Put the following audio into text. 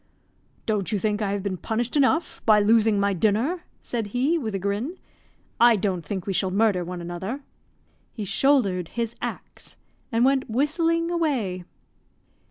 "Don't you think I have been punished enough by losing my dinner?" said he, with a grin. "I don't think we shall murder one another." He shouldered his axe, and went whistling away.